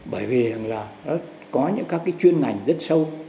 bởi vì là nó có những các cái chuyên ngành rất sâu